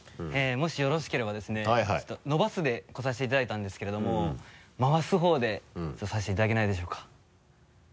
もしよろしければですねちょっと伸ばすで来させていただいたんですけれども回す方でさせていただけないでしょうか？